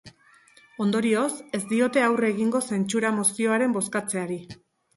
Ondorioz, ez diote aurre egingo zentsura-mozioaren bozkatzeari.